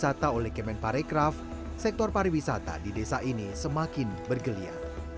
dengan penyelidikan kementerian pariwisata indonesia dua ribu dua puluh satu sektor pariwisata di desa ini semakin bergelia